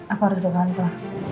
aku harus ke kantor